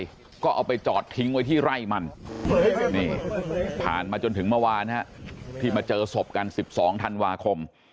แล้วก็เอาไปจอดทิ้งไว้ที่ไร่มันนี่ผ่านมาจนถึงเมื่อวานที่มาเจอศพกัน๑๒ธันวาคม